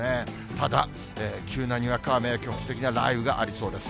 ただ、急なにわか雨や局地的な雷雨がありそうです。